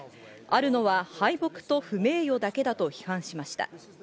あるのは敗北と不名誉だけだと批判しました。